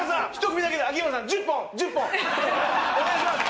「１組だけで秋山さん１０本１０本！お願いします！」。